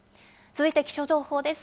続いて気象情報です。